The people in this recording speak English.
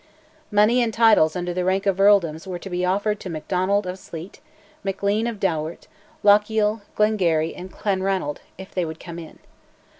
Money and titles under the rank of earldoms were to be offered to Macdonald of Sleat, Maclean of Dowart, Lochiel, Glengarry, and Clanranald, if they would come in.